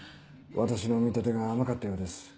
私の見立てが甘かったようです